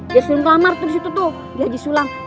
dia selalu melamar di situ tuh di haji suram